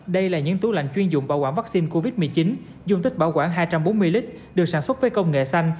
đây là những tủ lạnh chuyên dụng bảo quản vaccine covid một mươi chín dung tích bảo quản hai trăm bốn mươi lít được sản xuất với công nghệ xanh